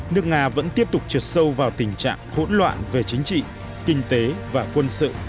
nước nga vẫn tiếp tục trượt sâu vào tình trạng hỗn loạn về chính trị kinh tế và quân sự